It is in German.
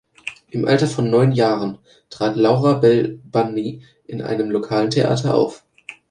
Im Alter von neun Jahren trat Laura Bell Bundy in einem lokalen Theater auf.